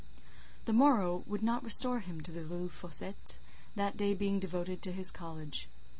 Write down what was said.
The morrow would not restore him to the Rue Fossette, that day being devoted entirely to his college.